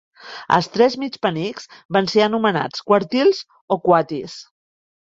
Els tres mig penics van ser anomenats "quartils" o "quatties.